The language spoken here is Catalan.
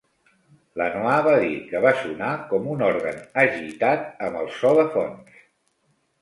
Lanoid va dir que va sonar com un òrgan "agitat amb el so de fons".